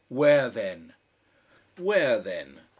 Where then? Where then?